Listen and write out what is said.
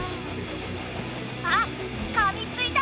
あっかみついた！